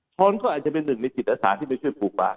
ชนก็อาจจะเป็นหนึ่งในจิตอาสาที่ไปช่วยปลูกป่า